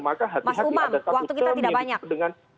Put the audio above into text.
maka hati hati ada satu term yang diputuskan dengan